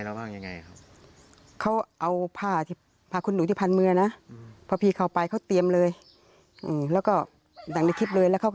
โอ้เขาทำอะไรระบ้างอย่างไรครับ